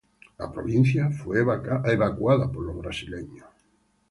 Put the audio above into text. La provincia fue evacuada por los brasileños.